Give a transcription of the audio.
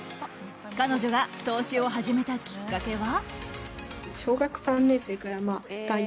彼女が投資を始めたきっかけは。